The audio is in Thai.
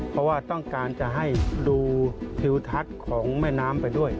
เพราะว่าต้องการจะให้ดูทิวทัศน์ของแม่น้ำไปด้วย